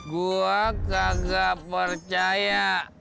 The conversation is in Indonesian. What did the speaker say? gua kagak percaya